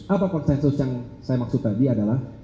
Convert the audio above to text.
apa konsensus yang saya maksud tadi adalah